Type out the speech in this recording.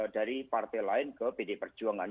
dari partai lain ke pd perjuangan